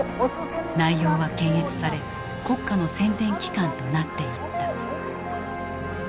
内容は検閲され国家の宣伝機関となっていった。